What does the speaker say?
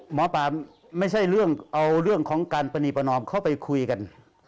หมอปลาไม่ใช่เรื่องเอาเรื่องของการปรณีประนอมเข้าไปคุยกัน